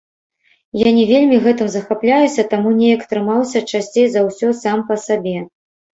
Я не вельмі гэтым захапляюся, таму неяк трымаўся часцей за ўсё сам па сабе.